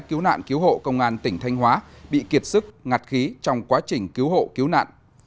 cứu nạn cứu hộ công an tỉnh thanh hóa bị kiệt sức ngặt khí trong quá trình cứu hộ cứu nạn